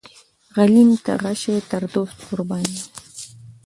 غلیم ته غشی تر دوست قربان یم.